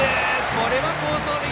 これは好走塁！